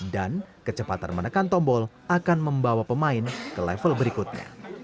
dan kecepatan menekan tombol akan membawa pemain ke level berikutnya